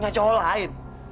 yang cowok lain